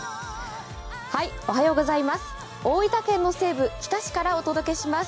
大分県の西部、日田市からお届けします。